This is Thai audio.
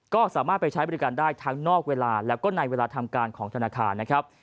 ก็สามารถไปใช้บริการได้ทั้งนอกเวลาแล้วก็ในเวลาทำการของธนาคารนะครับ